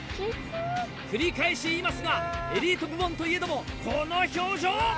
繰り返し言いますが、エリート部門といえども、この表情。